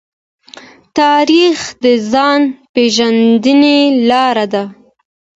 تاریخ د ځان پېژندنې لاره ده.